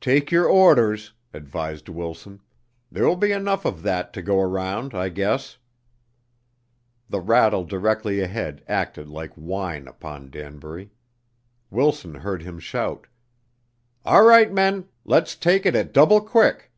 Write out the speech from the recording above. "Take your orders," advised Wilson. "There will be enough of that to go around, I guess." The rattle directly ahead acted like wine upon Danbury. Wilson heard him shout. "All right, men. Let's take it at double quick."